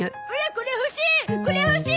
これ欲しい！